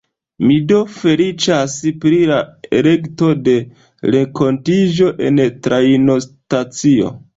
Mi do feliĉas pri la elekto de renkontiĝo en trajnostacio.